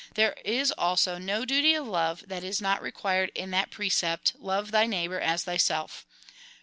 There is also no duty of love that is not required in that pre cept — Love thy neighbour as thyself.